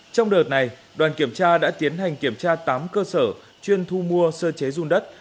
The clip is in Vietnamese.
trong đợt này đoàn kiểm tra đã tiến hành kiểm tra tám cơ sở chuyên thu mua sơ chế dung đất